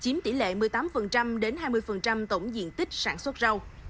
chiếm tỷ lệ một mươi tám đến hai mươi tổng diện tích sản xuất rau